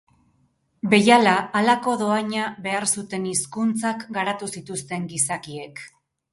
Behiala, halako dohaina behar zuten hizkuntzak garatu zituzten gizakiek.